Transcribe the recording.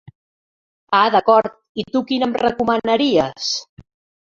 Ah d'acord, i tu quina em recomanaries?